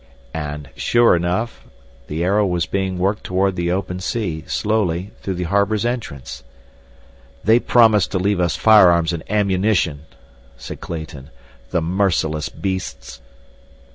And, sure enough, the Arrow was being worked toward the open sea, slowly, through the harbor's entrance. "They promised to leave us firearms and ammunition," said Clayton. "The merciless beasts!"